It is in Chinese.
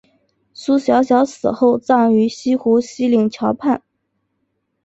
苏小小死后葬于西湖西泠桥畔。